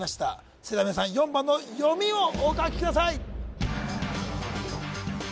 それでは皆さん４番の読みをお書きください